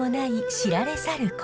知られざる古刹。